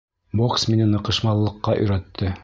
Бокс мине ныҡышмаллыҡҡа өйрәтте.